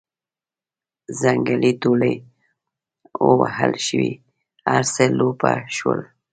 ځنګلې ټولې ووهل شوې هر څه لولپه شول.